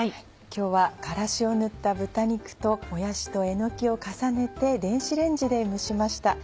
今日は辛子を塗った豚肉ともやしとえのきを重ねて電子レンジで蒸しました。